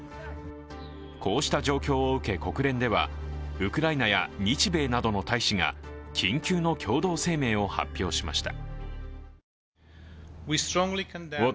こうした状況を受け国連ではウクライナや日米などの大使が緊急の共同声明を発表しました。